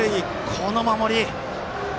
この守り。